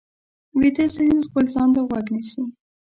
ویده ذهن خپل ځان ته غوږ نیسي